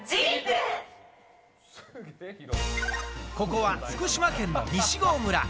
ここは福島県の西郷村。